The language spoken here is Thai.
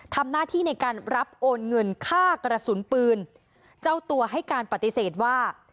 ทำหน้าที่ในการรับโอนเงินค่ากระสุนปืนเจ้าตัวให้การปฏิเสธว่า